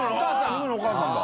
「三国」のお母さんだ！